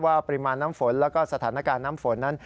ปริมาณน้ำฝนแล้วก็สถานการณ์น้ำฝนนั้น